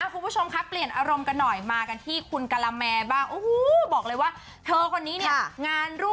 คุณผู้ชมคะเปลี่ยนอารมณ์กันหน่อยมากันที่คุณกลมแมบ้าง